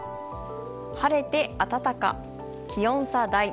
晴れて暖か、気温差大。